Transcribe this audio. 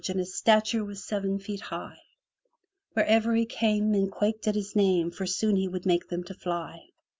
And his stature was seven foot high; Wherever he came, men quaked at his name. For soon he would make them to fly.